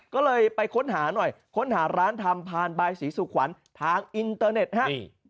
ก็เลยไปค้นหาหน่อยค้นหาร้านทำพานบายศรีสุขวัญทางอินเตอร์เน็ตครับ